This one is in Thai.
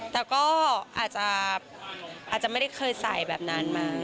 แต่ก็อาจจะไม่ได้เคยใส่แบบนั้นมา